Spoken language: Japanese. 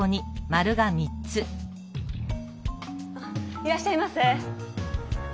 いらっしゃいませ！